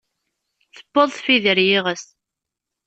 Tewweḍ tfidi ar iɣes.